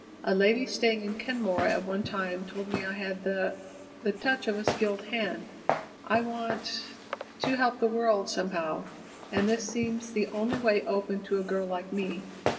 A lady staying in Kenmore at one time told me I had the the touch of a skilled hand. I want to help the world, somehow, and this seems the only way open to a girl like me.